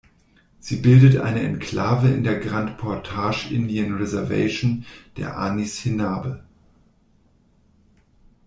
Sie bildet eine Enklave in der Grand Portage Indian Reservation der Anishinabe.